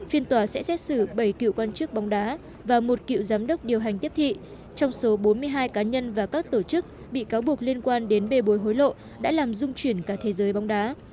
phiên tòa sẽ xét xử bảy cựu quan chức bóng đá và một cựu giám đốc điều hành tiếp thị trong số bốn mươi hai cá nhân và các tổ chức bị cáo buộc liên quan đến bê bối hối lộ đã làm dung chuyển cả thế giới bóng đá